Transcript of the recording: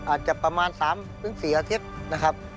อาจจะประมาณ๓๔อาทิตย์นะครับ